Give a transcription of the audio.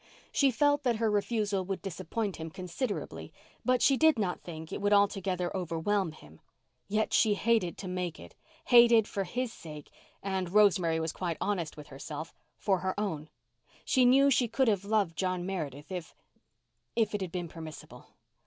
She felt that her refusal would disappoint him considerably, but she did not think it would altogether overwhelm him. Yet she hated to make it; hated for his sake and—Rosemary was quite honest with herself—for her own. She knew she could have loved John Meredith if—if it had been permissible.